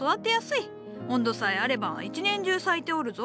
温度さえあれば一年中咲いておるぞ。